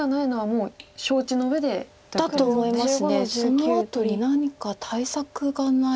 そのあとに何か対策がないと。